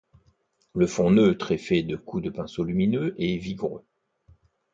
Le fond neutre est fait de coups de pinceau lumineux et vigoureux.